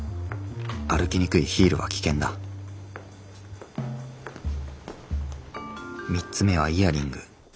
歩きにくいヒールは危険だ３つ目はイヤリング。